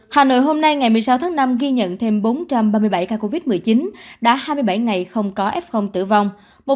hà nội hôm nay ngày một mươi sáu tháng năm ghi nhận thêm bốn trăm ba mươi bảy ca covid một mươi chín đã hai mươi bảy ngày không có f tử vong